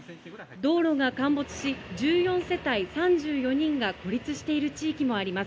道路が陥没し、１４世帯３４人が孤立している地域もあります。